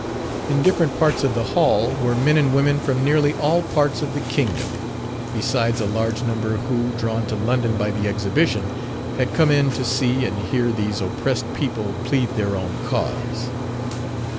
In different parts of the hall were men and women from nearly all parts of the kingdom, besides a large number who, drawn to London by the Exhibition, had come in to see and hear these oppressed people plead their own cause.